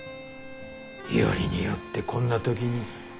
よりによってこんな時に。